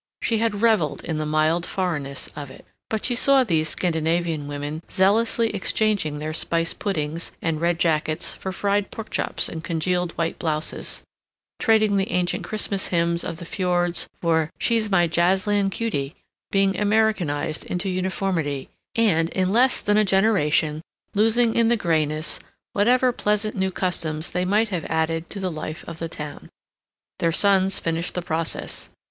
She had reveled in the mild foreignness of it. But she saw these Scandinavian women zealously exchanging their spiced puddings and red jackets for fried pork chops and congealed white blouses, trading the ancient Christmas hymns of the fjords for "She's My Jazzland Cutie," being Americanized into uniformity, and in less than a generation losing in the grayness whatever pleasant new customs they might have added to the life of the town. Their sons finished the process.